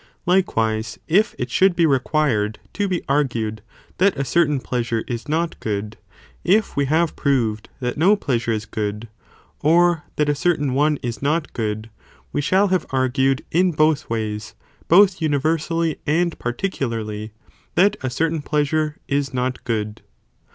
Likewise if it should be required to be argued that a certain pleasure is not good, if we have proved that no pleasure is good, or that a certain one is not good, we shall have argued in both ways, both universally and particularly, that a certain pleasure is not » when the good.